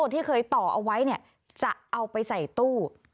ที่เคยต่อเอาไว้จะเอาไปใส่ตู้